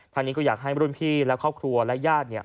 ทางนี้ก็อยากให้รุ่นพี่และครอบครัวและญาติเนี่ย